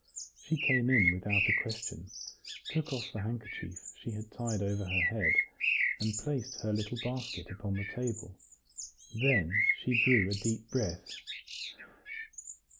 She came in without a question, took off the handkerchief she had tied over her head, and placed her little basket upon the table; then she drew a deep breath.